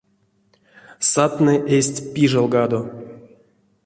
Садтнэ эзть пижелгадо.